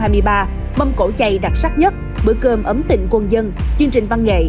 mâm cổ chay đặc sắc nhất bữa cơm ấm tịnh quân dân chương trình văn nghệ